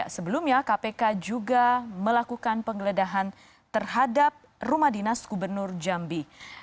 sebelumnya kpk juga melakukan penggeledahan terhadap rumah dinas gubernur jambi